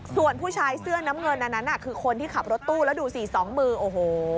ส่วนผู้ชายเสื้อน้ำเงินอันนั้นน่ะคือคนที่ขับรถตู้แล้วดูสิสองมือโอ้โห